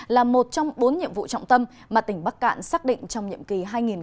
là một trong bốn nhiệm vụ trọng tâm mà tỉnh bắc cạn xác định trong nhiệm kỳ hai nghìn hai mươi hai nghìn hai mươi năm